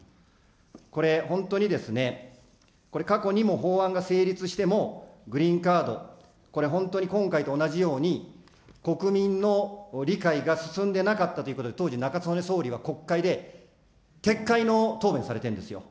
これ、本当にですね、過去にも法案が成立しても、グリーンカード、これ本当に今回と同じように、国民の理解が進んでなかったということで、当時、中曽根総理が国会で撤回の答弁をされてるんですよ。